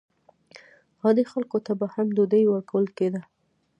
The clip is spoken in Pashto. عادي خلکو ته به هم ډوډۍ ورکول کېده.